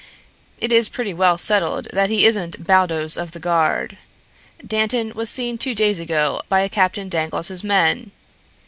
It is pretty well settled that he isn't Baldos of the guard. Dantan was seen two days ago by Captain Dangloss's men.